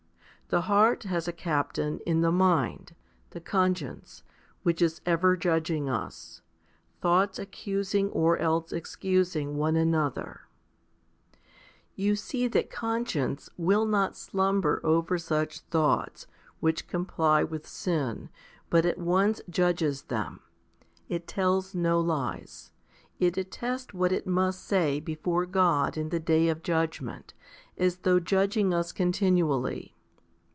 The heart has a captain in the mind, the conscience, which is ever judging us, thoughts accusing or else excusing one another^ 1 34. You see that conscience will not slubber over such thoughts, which comply with sin, but at once judges them. It tells no lies. It attests what it must say before God in the day of judgment, as though judging us continually.